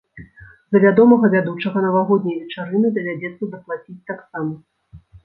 За вядомага вядучага навагодняй вечарыны давядзецца даплаціць таксама.